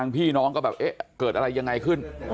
พี่น้องก็เกิดอะไรยังไงขึ้น